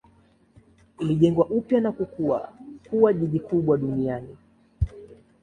Ilijengwa upya na kukua kuwa jiji kubwa duniani.